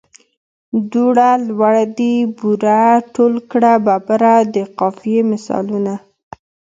دوړه، لوړ دي، بوره، ټول کړه، ببره د قافیې مثالونه.